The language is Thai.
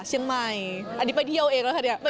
เชียงใหม่อันนี้ไปเที่ยวเองน่ะค่ะ